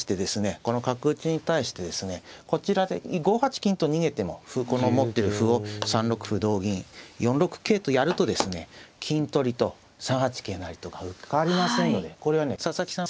この角打ちに対してですねこちらで５八金と逃げてもこの持ってる歩を３六歩同銀４六桂とやるとですね金取りと３八桂成とが受かりませんのでこれはね佐々木さん